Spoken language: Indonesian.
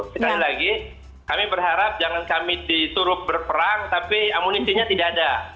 sekali lagi kami berharap jangan kami diturut berperang tapi amunisinya tidak ada